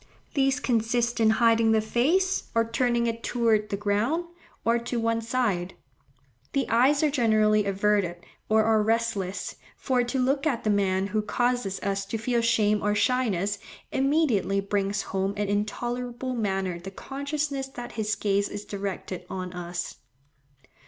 These consist in hiding the face, or turning it towards the ground, or to one side. The eyes are generally averted or are restless, for to look at the man who causes us to feel shame or shyness, immediately brings home in an intolerable manner the consciousness that his gaze is directed on us.